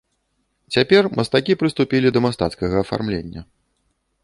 Цяпер мастакі прыступілі да мастацкага афармлення.